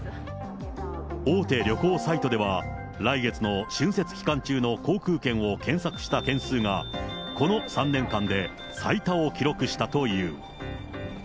大手旅行サイトでは、来月の春節期間中の航空券を検索した件数がこの３年間で最多を記録したという。